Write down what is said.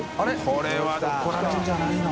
これは怒られるんじゃないの？